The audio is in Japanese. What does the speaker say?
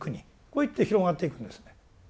こういって広がっていくんですね。